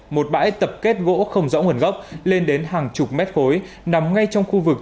một bãi tập kết gỗ không rõ nguồn gốc lên đến hàng chục mét khối nằm ngay trong khu vực